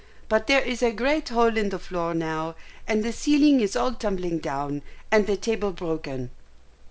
but there is a great hole in the floor now, and the ceiling is all tumbling down, and the table broken."